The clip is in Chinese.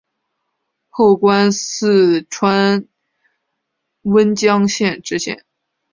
后官四川温江县知县。